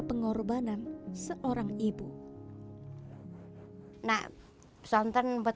hasilnya lumayan tiga empat ribu per buah